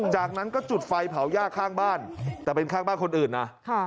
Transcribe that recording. จากนั้นก็จุดไฟเผาย่าข้างบ้านแต่เป็นข้างบ้านคนอื่นนะ